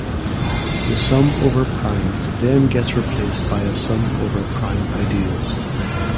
The sum over primes then gets replaced by a sum over prime ideals.